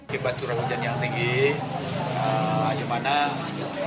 kebaturan hujan yang tinggi